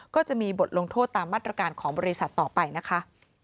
ก็จะมีบทลงโทษตามมาตรการของบริษัทต่อไปนะคะ